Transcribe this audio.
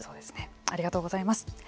ありがとうございます。